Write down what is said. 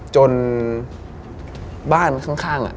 จนบ้านข้าง